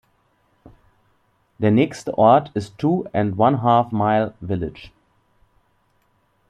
Der nächste Ort ist Two and One-Half Mile Village.